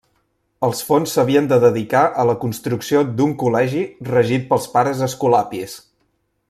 Els fons s'havien de dedicar a la construcció d'un col·legi regit pels pares escolapis.